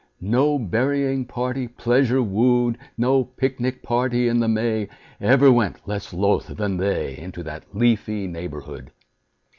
No berrying party, pleasure wooed, No picnic party in the May, Ever went less loth than they Into that leafy neighborhood.